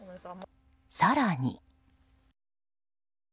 更に。